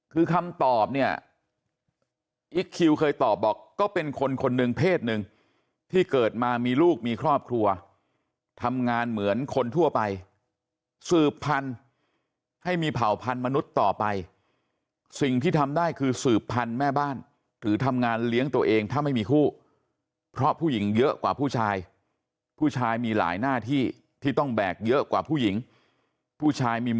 คือคำตอบเนี่ยอิ๊กคิวเคยตอบบอกก็เป็นคนคนหนึ่งเพศหนึ่งที่เกิดมามีลูกมีครอบครัวทำงานเหมือนคนทั่วไปสืบพันธุ์ให้มีเผ่าพันธุ์มนุษย์ต่อไปสิ่งที่ทำได้คือสืบพันธุ์แม่บ้านหรือทำงานเลี้ยงตัวเองถ้าไม่มีคู่เพราะผู้หญิงเยอะกว่าผู้ชายผู้ชายมีหลายหน้าที่ที่ต้องแบกเยอะกว่าผู้หญิงผู้ชายมี